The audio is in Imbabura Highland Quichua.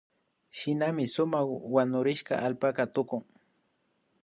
Shinami sumak wanurishka allpaka tukun